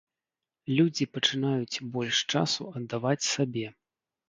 Людзі пачынаюць больш часу аддаваць сабе.